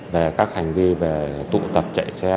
về các hành vi về tụ tập chạy xe